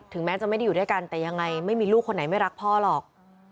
แม้จะไม่ได้อยู่ด้วยกันแต่ยังไงไม่มีลูกคนไหนไม่รักพ่อหรอก